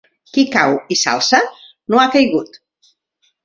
Qui cau i s'alça, no ha caigut.